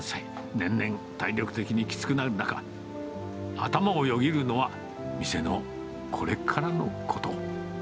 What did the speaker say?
年々、体力的にきつくなる中、頭をよぎるのは、店のこれからのこと。